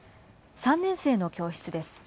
３年生の教室です。